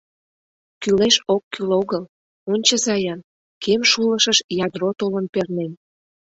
— Кӱлеш-оккӱл огыл, ончыза-ян, кем шулышыш ядро толын пернен.